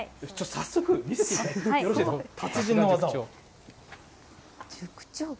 早速見せていただいてよろしいですか、達人の技を。